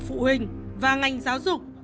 giáo dục phụ huynh và ngành giáo dục